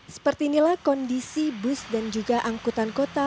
seperti inilah kondisi bus dan juga angkutan kota